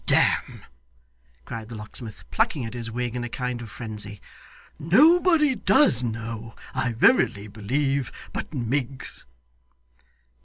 Damme!' cried the locksmith, plucking at his wig in a kind of frenzy, 'nobody does know, I verily believe, but Miggs!